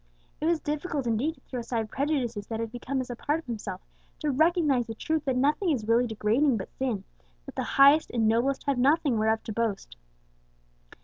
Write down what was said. It was difficult indeed to throw aside prejudices that had become as a part of himself, to recognize the truth that nothing is really degrading but sin, and that the highest and noblest have nothing whereof to boast.